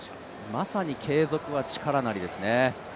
まさに継続は力なりですね。